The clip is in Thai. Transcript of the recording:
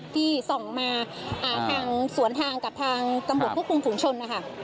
ที่ส่องมาทางสวนทางกับทางตำรวจควบคุมฝุงชนนะคะ